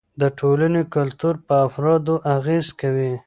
د ټولنې کلتور پر افرادو اغېز کوي.